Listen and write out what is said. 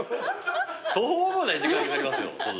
途方もない時間かかりますよ。